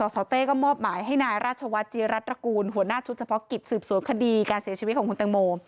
สเต้ก็มอบหมายให้นายราชวัฒน์จีรัฐตระกูลหัวหน้าชุดเฉพาะกิจสืบสวนคดีการเสียชีวิตของคุณตังโม